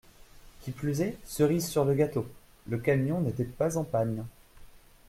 Qui plus est, cerise sur le gâteau : le camion n’était pas en panne.